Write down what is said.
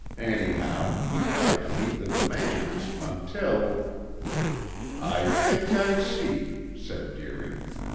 Anyhow, he tried to meet the demands, until " "I think I see," said Deering.